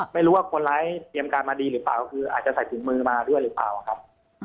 ไม่รู้ว่าคนร้ายเตรียมการมาดีหรือเปล่าคืออาจจะใส่ถุงมือมาด้วยหรือเปล่าครับ